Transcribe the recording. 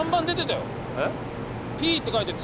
「Ｐ」って書いてある。